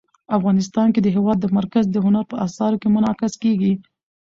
افغانستان کې د هېواد مرکز د هنر په اثار کې منعکس کېږي.